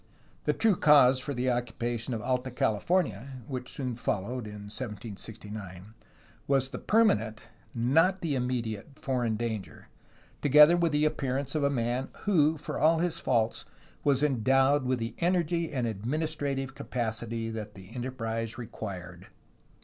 The true cause for the occupation of Alta Cahfornia (which soon followed, in 1769) was the per manent (not the immediate) foreign danger, together with the appearance of a man who, for all his faults, was endowed with the energy and administrative capacity that the enter prise required.